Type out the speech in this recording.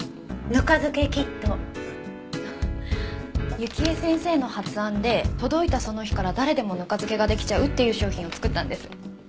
雪絵先生の発案で届いたその日から誰でもぬか漬けができちゃうっていう商品を作ったんです。